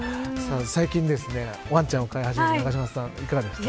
最近ワンちゃんを飼い始めた永島さん、いかがでしたか。